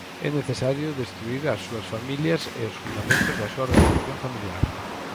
É necesario destruír as súas familias e os fundamentos da súa organización familiar.